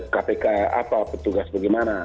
kpk apa petugas bagaimana